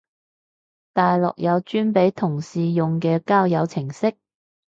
大陸有專俾同志用嘅交友程式？